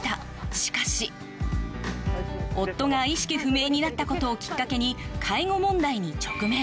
しかし夫が意識不明になったことをきっかけに介護問題に直面。